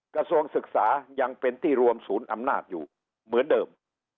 กระทรวงศึกษายังเป็นที่รวมศูนย์อำนาจอยู่เหมือนเดิม